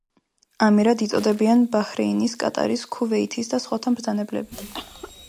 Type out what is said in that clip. ამირად იწოდებიან ბაჰრეინის, კატარის, ქუვეითის და სხვათა მბრძანებლები.